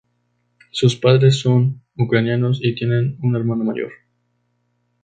Sus padres son ucranianos y tiene un hermano mayor.